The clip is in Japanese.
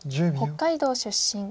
北海道出身。